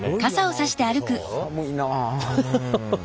寒いなあ。